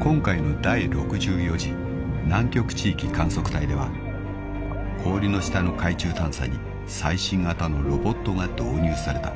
［今回の第６４次南極地域観測隊では氷の下の海中探査に最新型のロボットが導入された］